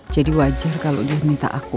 jadi wajar kalau dia minta aku